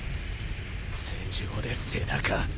戦場で背中。